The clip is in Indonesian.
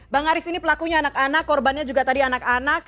bang aris ini pelakunya anak anak korbannya juga tadi anak anak